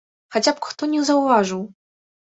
Хаця б хто не заўважыў!